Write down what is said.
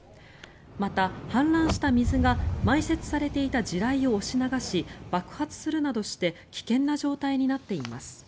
また、氾濫した水が埋設されていた地雷を押し流し爆発するなどして危険な状態になっています。